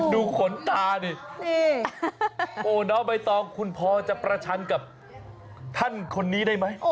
ดูขนตาดินี่โอ้น้องใบตองคุณพอจะประชันกับท่านคนนี้ได้ไหม